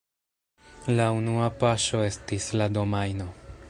La unua paŝo estis la domajno.